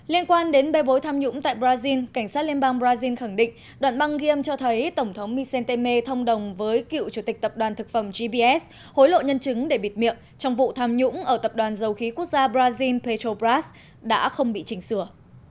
liên quan đến bê bối tham nhũng tại brazil cảnh sát liên bang brazil khẳng định đoạn băng game cho thấy tổng thống michel temer thông đồng với cựu chủ tịch tập đoàn thực phẩm gbs hối lộ nhân chứng để bịt miệng trong vụ tham nhũng ở tập đoàn dầu khí quốc gia brazil petrobras đã không bị chỉnh sửa